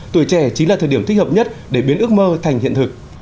tuổi trẻ chính là thời điểm thích hợp nhất để biến ước mơ thành hiện thực